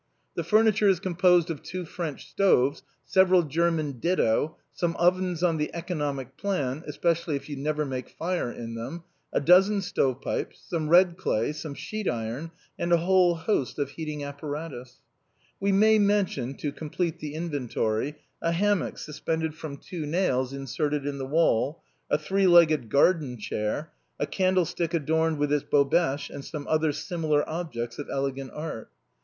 The furniture is composed of two French stoves, several German ditto, some ovens on the economic plan, (especially if you never make fire in them,) a dozen stove pipes, some red clay, some sheet iron, and a whole host of heating ap 55 56 THE BOHEMIANS OF THE LATIN QUARTER. paratus. We may mention, to complete the inventory, a hammock suspended from two nails inserted in the wall, a three legged garden chair, a candle stick adorned with its bobèche, and some other similar objects of elegant art.